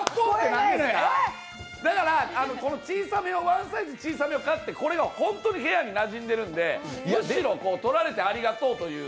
だから、小さめのワンサイズ小さめを買って、それが本当に部屋になじんでいるのでむしろ取られてありがとうという。